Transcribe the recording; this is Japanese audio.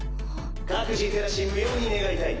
各自手出し無用に願いたい。